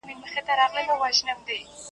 په ستړي لاس کي یې را کښېښودلې دوولس روپۍ .